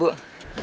yaudah aku pengen